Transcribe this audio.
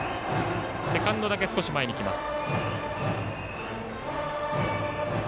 セカンドだけ少し前に来ます。